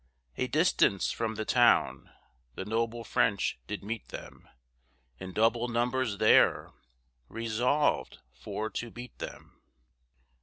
A distance from the town The noble French did meet them, In double numbers there, Resolved for to beat them.